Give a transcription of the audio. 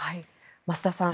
増田さん